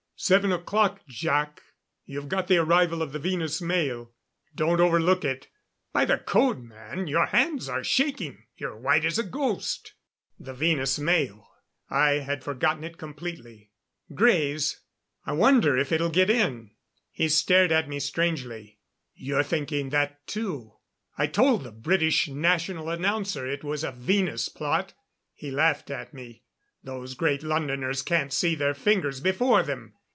"Seven o'clock, Jac. You've got the arrival of the Venus mail. Don't overlook it ... By the code, man, your hands are shaking! You're white as a ghost!" The Venus mail; I had forgotten it completely. "Greys, I wonder if it'll get in." He stared at me strangely. "You're thinking that, too. I told the British National Announcer it was a Venus plot. He laughed at me. Those Great Londoners can't see their fingers before them.